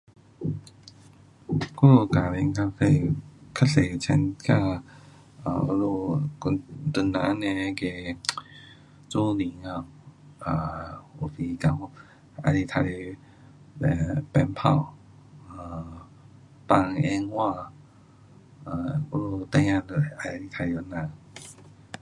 我们家庭较多较顶参加唐人的那个做年 um 啊，喜欢玩耍 um 灯泡，um 放烟花，um 我们孩儿就是喜欢玩耍这样。